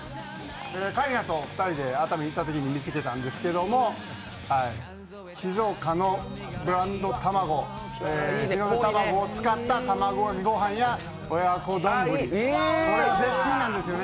桂里奈と２人で熱海に行ったときに見つけたんですけど、静岡のブランド卵、日の出たまごを使ったたまごご飯や親子丼、これが絶品なんですよね。